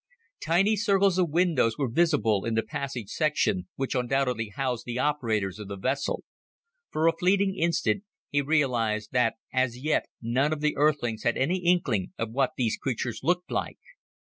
Tiny circles of windows were visible in the passage section, which undoubtedly housed the operators of the vessel. For a fleeting instant he realized that as yet none of the Earthlings had any inkling of what these creatures looked like.